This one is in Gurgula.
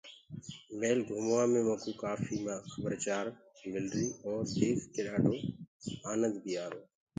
ميٚل گھُموآ مي مڪوُ ڪآڦي مآلومآت مِلر اور ديک ڪي ڏآڊو آنند بي آرو۔